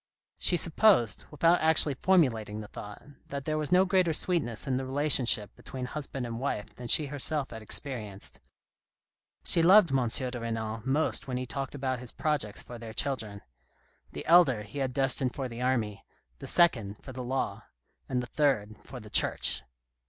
She supposed, without actually formulating the thought, that there was no greater sweetness in the relationship between husband and wife than she herself had experienced. She loved M. de Renal most when he talked about his projects for their children. The elder he had destined for the army, the second for the law, and the third for the Church.